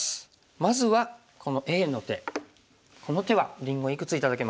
まずはこのＡの手この手はりんごいくつ頂けますか？